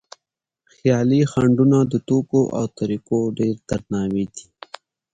خیالي خنډونه د توکو او طریقو ډېر درناوی دی.